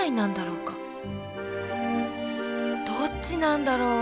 どっちなんだろう。